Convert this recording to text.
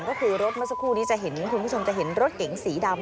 ก็คือรถมาสักคู่นี้เดี๋ยวคุณผู้ชมจะเห็นรถเก๋งสีดำ